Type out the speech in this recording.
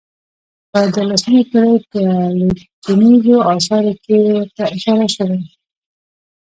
په دیارلسمې پېړۍ په لیکنیزو اثارو کې ورته اشاره شوې.